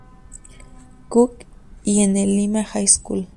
Cook y en el Lima High School.